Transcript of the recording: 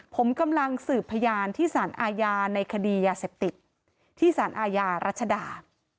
ผมกำลังสืบพยานที่สารอาญาในคดียาเสพติดที่สารอาญารัชดา